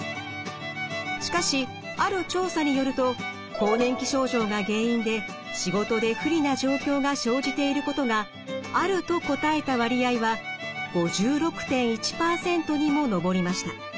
しかしある調査によると更年期症状が原因で仕事で不利な状況が生じていることが「ある」と答えた割合は５６．１％にも上りました。